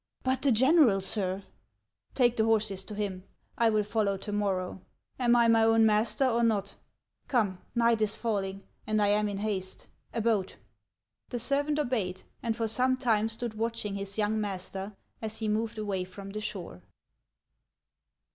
" Hut, the general, sir '*" "Take the horses to him. 1 will follow to morrow. Am i my own master, or not ? Come, night is falling, and I am in haste. A boat !" The servant obeyed, and for some time stood watching his young master as he moved away from the shore.